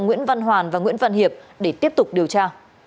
nguyễn văn hoàn và nguyễn văn hiệp để tiếp tục điều tra